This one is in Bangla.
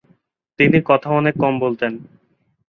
তিনি কথা অনেক কম বলতেন।